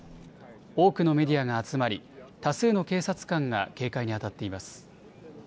多くのメディアが集まり多数の警察官が警戒に当たっています。